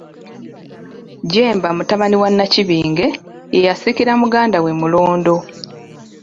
JJEMBA mutabani wa Nnakibinge, ye yasikira muganda we Mulondo.